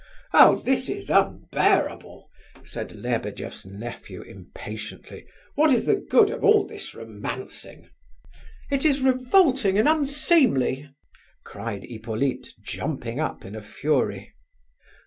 "Oh, this is unbearable!" said Lebedeff's nephew impatiently. "What is the good of all this romancing?" "It is revolting and unseemly!" cried Hippolyte, jumping up in a fury.